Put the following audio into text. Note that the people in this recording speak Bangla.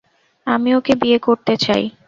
আমি ওকে বিয়ে করতে চাই।